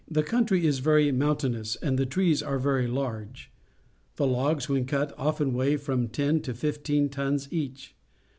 The country is very mountainous, and the trees are very large. The logs, when cut, often weigh from ten to fifteen tons each.